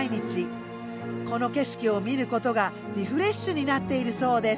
この景色を見ることがリフレッシュになっているそうです。